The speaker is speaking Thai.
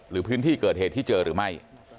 หรือพื้นที่เกิดเหตุที่เจอหรือไม่